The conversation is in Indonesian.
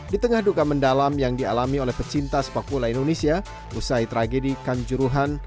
di tengah duka mendalam yang dialami oleh pecinta sepak bola indonesia usai tragedi kanjuruhan